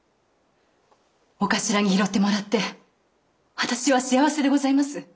お頭に拾ってもらって私は幸せでございます。